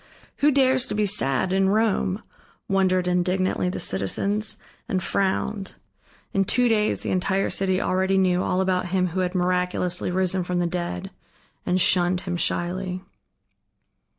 Who dares to be sad in Rome, wondered indignantly the citizens, and frowned. In two days the entire city already knew all about him who had miraculously risen from the dead, and shunned him shyly.